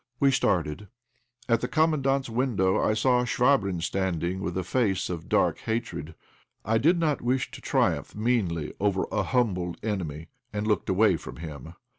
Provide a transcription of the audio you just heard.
We started. At the Commandant's window I saw Chvabrine standing, with a face of dark hatred. I did not wish to triumph meanly over a humbled enemy, and looked away from him.